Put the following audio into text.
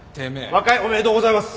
和解おめでとうございます。